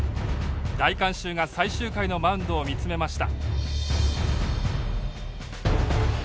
大観衆が最終回のマウンドを見つめました。